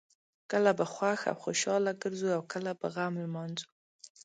کله به خوښ او خوشحاله ګرځو او کله به غم لمانځو.